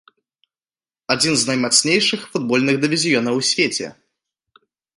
Адзін з наймацнейшых футбольных дывізіёнаў ў свеце.